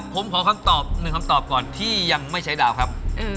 ผมขอคำตอบหนึ่งคำตอบก่อนที่ยังไม่ใช้ดาวครับ